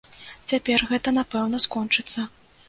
Цяпер гэта, напэўна, скончыцца.